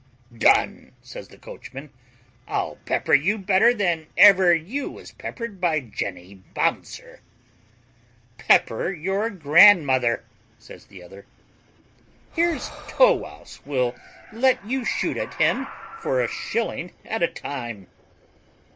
"Done," says the coachman; "I'll pepper you better than ever you was peppered by Jenny Bouncer." "Pepper your grandmother," says the other: "Here's Tow wouse will let you shoot at him for a shilling a time."